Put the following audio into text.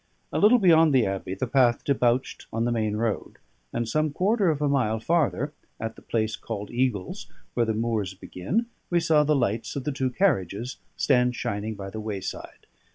A little beyond the abbey the path debouched on the main road; and some quarter of a mile farther, at the place called Eagles, where the moors begin, we saw the lights of the two carriages stand shining by the wayside.